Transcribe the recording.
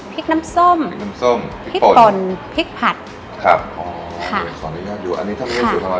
พริกน้ำส้มพริกปนพริกผัดครับอ๋อค่ะอันนี้ถ้าไม่ให้สูตรทานอย